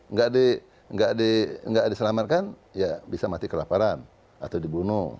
nggak diselamatkan ya bisa mati kelaparan atau dibunuh